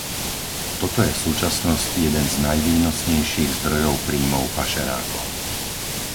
Toto je v súčasnosti jeden z najvýnosnejších zdrojov príjmov pašerákov.